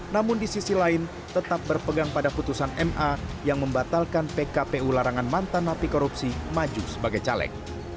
namun di sisi lain tetap berpegang pada putusan ma yang membatalkan pkpu larangan mantan api korupsi maju sebagai caleg